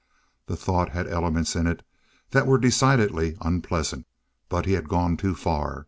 The thought had elements in it that were decidedly unpleasant. But he had gone too far.